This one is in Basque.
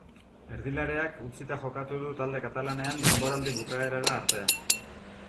Erdilariak utzita jokatu du talde katalanean denboraldi bukaerara arte.